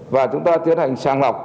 và chúng ta tiến hành sàng lọc